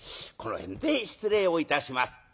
この辺で失礼をいたします。